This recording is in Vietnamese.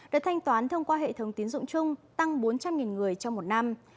được thanh toán thông qua hệ thống tiến dụng chung tăng bốn trăm linh người trong một năm